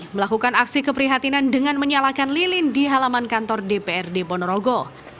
melakukan aksi keprihatinan dengan menyalakan lilin di halaman kantor dprd ponorogo